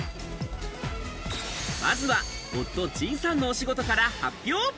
まずは夫・仁さんのお仕事から発表。